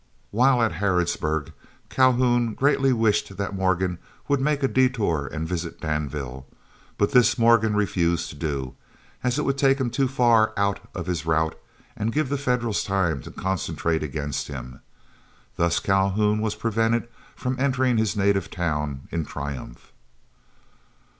While at Harrodsburg Calhoun greatly wished that Morgan would make a detour and visit Danville, but this Morgan refused to do, as it would take him too far out of his route and give the Federals time to concentrate against him. Thus Calhoun was prevented from entering his native town in triumph.